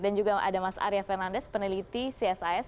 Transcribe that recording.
dan juga ada mas arya fernandes peneliti csis